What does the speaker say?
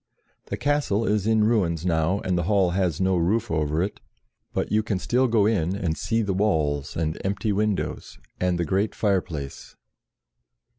The castle is in ruins now, and the hall has no roof over it, but you can still go in and see the walls, and empty windows, and the great fireplace.